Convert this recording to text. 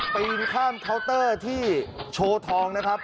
ปีนข้ามเคาน์เตอร์ที่โชว์ทองนะครับ